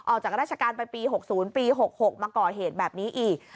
ออกจากราชการไปปี๖๐ปี๖๖มาก่อเหตุแบบนี้อีก